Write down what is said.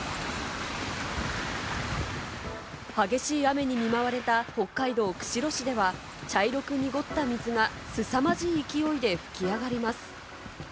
激しい雨に見舞われた北海道釧路市では、茶色く濁った水がすさまじい勢いで噴き上がります。